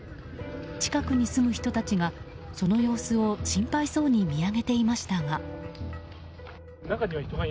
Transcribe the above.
近くに住む人たちがその様子を心配そうに見上げていましたが。